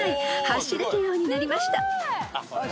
走れるようになりました］